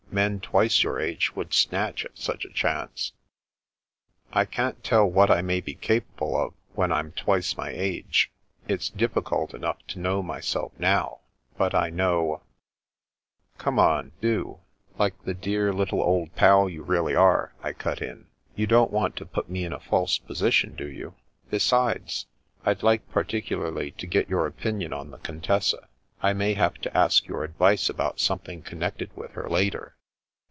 Men twice your age would snatch at such a chance." " I can't tell what I may be capable of when I'm twice my age. It's difficult enough to know myself now. But I know "" Come on, do, like the dear Little Old Pal you really are," I cut in. " You don't want to put me in a false position, do you? Besides, I'd like particu larly to get your opinion on the Contessa. I may have to ask your advice about something connected with her, later."